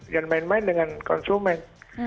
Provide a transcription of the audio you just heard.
jangan main main dengan konsumen